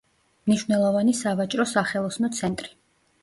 მნიშვნელოვანი სავაჭრო-სახელოსნო ცენტრი.